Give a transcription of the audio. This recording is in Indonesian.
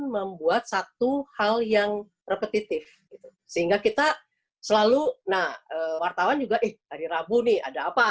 membuat satu hal yang repetitif sehingga kita selalu nah wartawan juga eh hari rabu nih ada apa